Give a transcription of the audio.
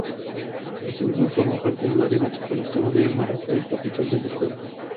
Asimismo forma parte del área metropolitana de Maracay, capital del estado.